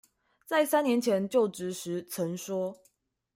在三年前就職時曾說